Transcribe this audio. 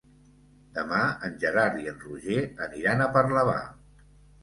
Demà en Gerard i en Roger aniran a Parlavà.